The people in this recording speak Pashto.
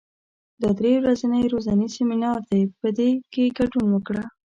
دا درې ورځنی روزنیز سیمینار دی، په کې ګډون وکړه.